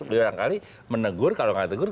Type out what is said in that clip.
beberapa kali menegur kalau nggak tegur